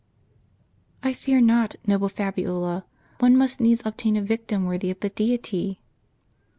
" "I fear not, noble Fabiola; one must needs obtain a Vic tim worthy of the Deity."